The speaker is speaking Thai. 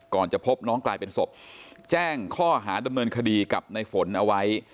จะพบน้องกลายเป็นศพแจ้งข้อหาดำเนินคดีกับในฝนเอาไว้